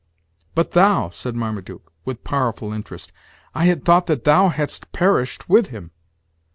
"But thou!" said Marmaduke, with powerful interest; "I had thought that thou hadst perished with him."